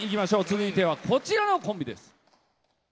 続いてはこちらのコンビです。